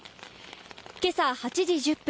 今朝８時１０分